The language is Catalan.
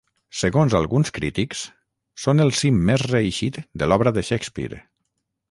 Segons alguns crítics, són el cim més reeixit de l'obra de Shakespeare.